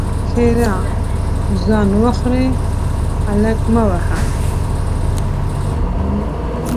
ښېرا: ځان وخورې؛ هلک مه وهه!